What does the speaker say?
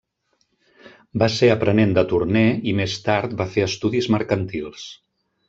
Va ser aprenent de torner i més tard va fer estudis mercantils.